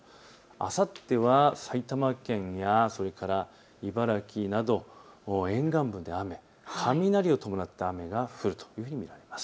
あさっては埼玉県や茨城など沿岸部で雨、雷を伴った雨が降るというふうに見られます。